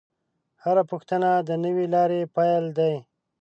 هره پوښتنه د نوې لارې پیل دی.